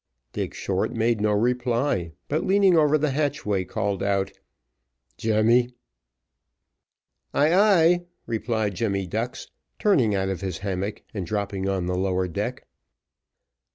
Dick Short made no reply, but leaning over the hatchway, called out, "Jemmy." "Ay, ay," replied Jemmy Ducks, turning out of his hammock and dropping on the lower deck.